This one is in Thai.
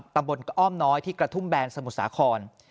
ตำรวจอ้อมน้อยที่กระทุ่มแบนสมุสาคร